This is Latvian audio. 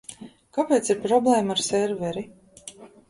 Kāpēc ir problēma ar serveri?